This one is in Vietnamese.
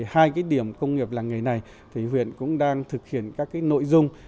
hai điểm công nghiệp làng nghề này huyện cũng đang thực hiện các nội dung